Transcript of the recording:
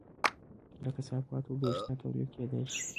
له کثافاتو بریښنا تولید کیدی شي